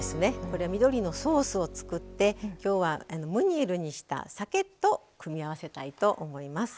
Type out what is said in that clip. これ緑のソースを作って今日はムニエルにしたさけと組み合わせたいと思います。